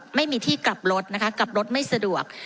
ไม่มีที่กลับรถนะคะกลับรถไม่สะดวก